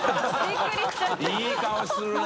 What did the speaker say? いい顔するね！